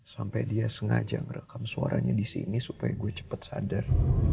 sampai dia sengaja ngerekam suaranya disini supaya gue cepet sadar